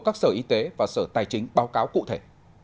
các sở y tế và sở tài chính báo cáo cụ thể